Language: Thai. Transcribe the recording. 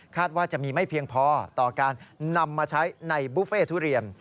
ว่าจะมีไม่เพียงพอต่อการนำมาใช้ในบุฟเฟ่ทุเรียน